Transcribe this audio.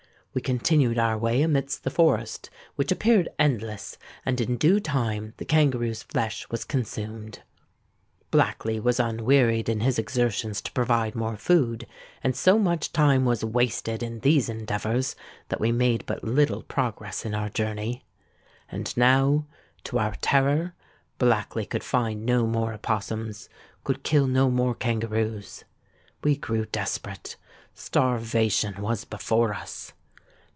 We continued our way amidst the forest, which appeared endless; and in due time the kangaroo's flesh was consumed. Blackley was unwearied in his exertions to provide more food; and, so much time was wasted in these endeavours, that we made but little progress in our journey. And now, to our terror, Blackley could find no more opossums—could kill no more kangaroos. We grew desperate: starvation was before us.